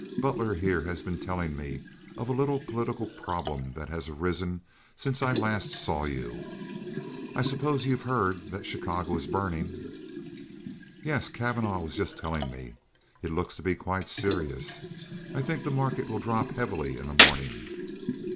"Butler here has been telling me of a little political problem that has arisen since I last saw you. I suppose you've heard that Chicago is burning?" "Yes; Cavanagh was just telling me. It looks to be quite serious. I think the market will drop heavily in the morning."